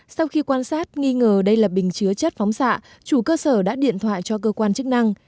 sau khi quan sát nghi ngờ đây là bình chứa chất phóng xạ chủ cơ sở đã điện thoại cho cơ quan chức năng